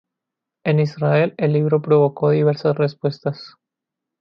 En Israel, el libro provocó diversas respuestas.